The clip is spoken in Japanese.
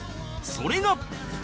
それが